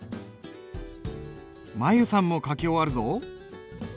舞悠さんも書き終わるぞ。